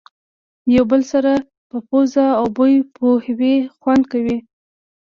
یو بل سره په پوزو او بوی پوهوي خوند کوي.